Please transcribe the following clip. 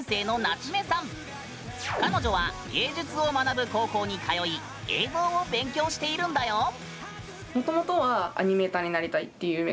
彼女は芸術を学ぶ高校に通い映像を勉強しているんだよ！